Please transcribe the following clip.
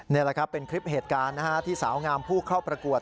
นี่แหละครับเป็นคลิปเหตุการณ์ที่สาวงามผู้เข้าประกวด